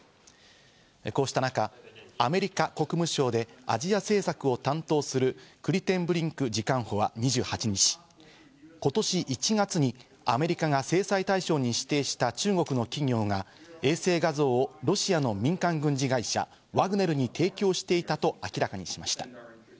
こうした中、アメリカ国務省でアジア政策を担当するクリテンブリンク次官補は２８日、今年１月にアメリカが制裁対象に指定した中国の企業が衛星画像をロシアの民間軍事会社ワグネルに提供していたと明らかにしました。